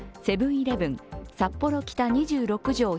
セブン−イレブン札幌北２６条